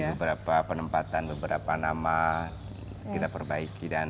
beberapa penempatan beberapa nama kita perbaiki